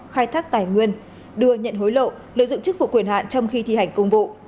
khai thác tài nguyên đưa nhận hối lộ lợi dụng chức phục quyền hạn trong khi thi hành công vụ